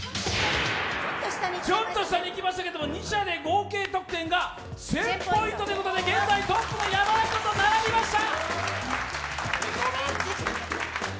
ちょっと下にいきましたけど２射で合計ポイントが１０００ポイントで現在トップの山田君と並びました。